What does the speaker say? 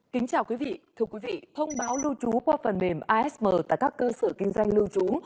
kính chào quý vị thưa quý vị thông báo lưu trú qua phần mềm asm tại các cơ sở kinh doanh lưu trú